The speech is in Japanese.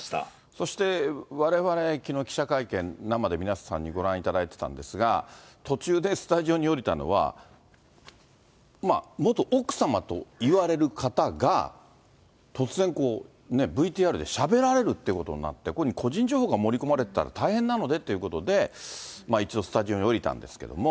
そしてわれわれ、きのう、記者会見、生で皆さんにご覧いただいてたんですが、途中でスタジオにおりたのは、元奥様といわれる方が、突然、ＶＴＲでしゃべられるということになって、個人情報が盛り込まれてたら大変なのでということで、一度スタジオにおりたんですけれども。